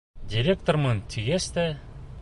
Директормын тигәс тә...